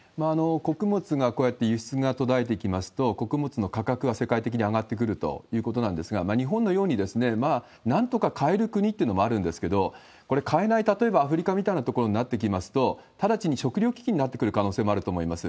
穀物がこうやって輸出が途絶えてきますと、穀物の価格は世界的に上がってくるということなんですが、日本のように、なんとか買える国っていうのもあるんですけど、これ、買えない、例えばアフリカみたいな所になってきますと、直ちに食料危機になってくる可能性もあると思います。